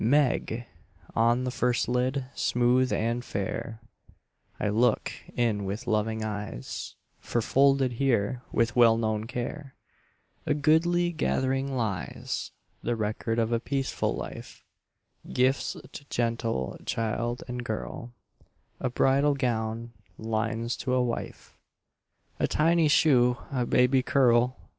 "Meg" on the first lid, smooth and fair. I look in with loving eyes, For folded here, with well known care, A goodly gathering lies, The record of a peaceful life Gifts to gentle child and girl, A bridal gown, lines to a wife, A tiny shoe, a baby curl.